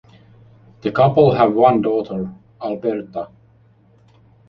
The couple have one daughter, Alberta.